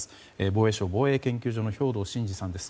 防衛省防衛研究所の兵頭慎治さんです。